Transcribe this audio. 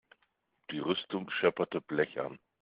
Die Rüstung schepperte blechern.